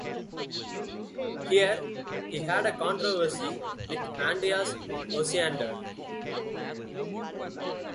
Here he had a controversy with Andreas Osiander.